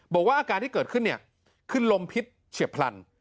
บอกว่าอาการที่เกิดขึ้นเนี่ยคือลมพิษเฉียบพลัน